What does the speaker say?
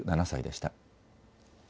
８７歳でした。